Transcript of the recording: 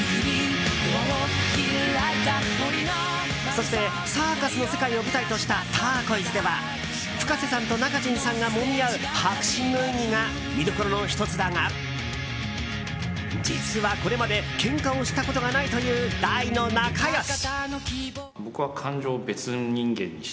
そしてサーカスの世界を舞台とした「ターコイズ」ではＦｕｋａｓｅさんとＮａｋａｊｉｎさんがもみ合う迫真の演技が見どころの１つだが実は、これまでけんかをしたことがないという大の仲良し。